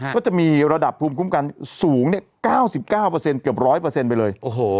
ก็จะมีระดับภูมิคุ้มกันสูง๙๙เกือบ๑๐๐ไปเลย